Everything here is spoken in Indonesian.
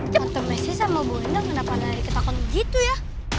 kata mesin sama bu endang kenapa lari ketakutan gitu ya